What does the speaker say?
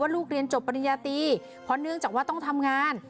ลูกเรียนจบปริญญาตีเพราะเนื่องจากว่าต้องทำงาน